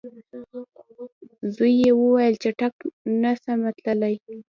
زوی یې وویل چټک نه سمه تللای